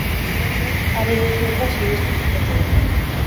Ondorioz, haren heriotza saihestu zitekeen.